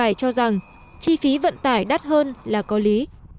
cái mép thị vải cho rằng chi phí vận tải đắt hơn là có lý